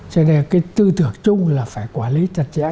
cho nên là cái tư tưởng chung là phải quản lý chặt chẽ cái này